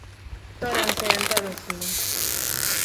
Tóranse en toros finos.